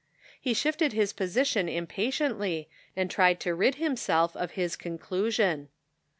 He shifted his position impa tiently and tried to rid himself of his conclusion.